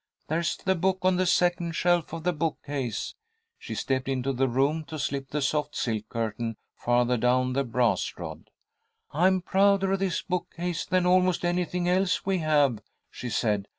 "There's the book on the second shelf of the bookcase." She stepped into the room to slip the soft silk curtain farther down the brass rod. "I'm prouder of this bookcase than almost anything else we have," she said.